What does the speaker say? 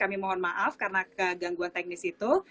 kami mohon maaf karena kegangguan teknis itu